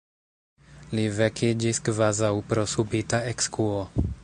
Li vekiĝis kvazaŭ pro subita ekskuo.